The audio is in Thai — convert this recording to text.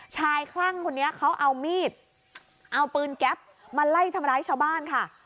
คลั่งคนนี้เขาเอามีดเอาปืนแก๊ปมาไล่ทำร้ายชาวบ้านค่ะ